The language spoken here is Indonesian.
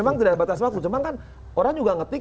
memang tidak ada batas waktu cuma kan orang juga ngetik